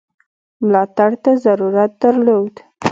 ملاتړ ته ضرورت درلود.